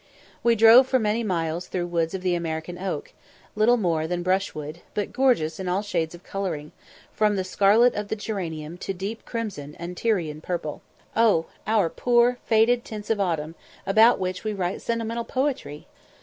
We drove for many miles through woods of the American oak, little more than brushwood, but gorgeous in all shades of colouring, from the scarlet of the geranium to deep crimson and Tyrian purple. Oh! our poor faded tints of autumn, about which we write sentimental poetry!